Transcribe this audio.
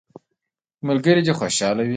ملګري دي خوشحاله وي.